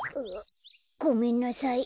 ごめんなさい。